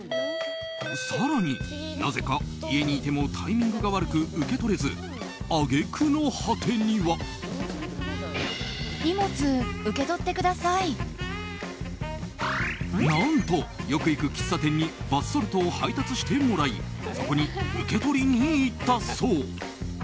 更に、なぜか家にいてもタイミングが悪く受け取れず揚げ句の果てには。何と、よく行く喫茶店にバスソルトを配達してもらいそこに受け取りに行ったそう。